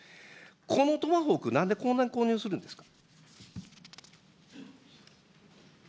このトマホーク、なんでこんなに購入するんですか。